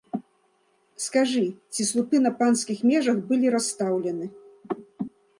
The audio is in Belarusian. Скажы, ці слупы на панскіх межах былі расстаўлены?